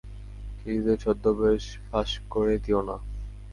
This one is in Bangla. নিজেদের ছদ্মবেশ ফাঁস করে দিয়ো না।